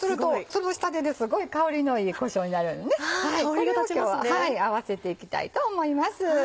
これを今日は合わせていきたいと思います。